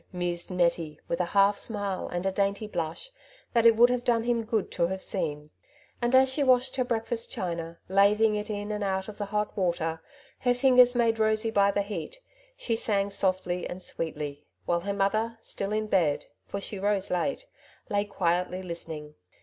^' mused Nettie, with a half smile^ and a dainty blush, that it would have done him good to have seen ; and as she washed her breakfast china, laving it in and out of the hot water, her fingers made rosy by the heat, she sang softly and sweetly, while her mother, still in bed — for she rose late — lay quietly listening.